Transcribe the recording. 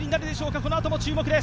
このあとも注目です。